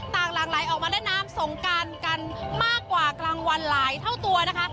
หลังไหลออกมาเล่นน้ำสงการกันมากกว่ากลางวันหลายเท่าตัวนะคะ